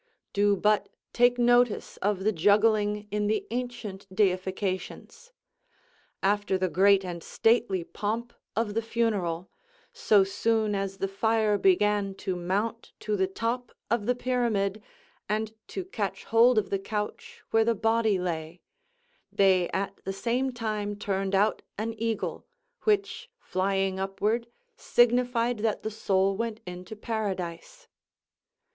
Do but take notice of the juggling in the ancient deifications. After the great and stately pomp of the funeral, so soon as the fire began to mount to the top of the pyramid, and to catch hold of the couch where the body lay, they at the same time turned out an eagle, which flying upward, signified that the soul went into Paradise.